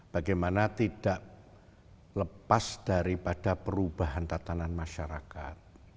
bagaimana tidak lepas daripada perubahan tatanan masyarakat